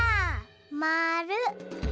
まる。